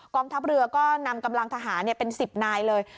องทัพเรือก็นำกำลังทหารเป็น๑๐นายเลย